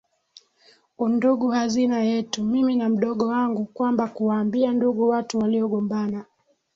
undugu hazina yetu mimi na mdogo wangu Kwamba kuwaambia ndugu watu waliogombana